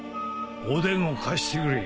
おでんを貸してくれ。